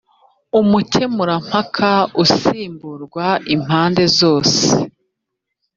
umukemurampaka usimburwa impande zose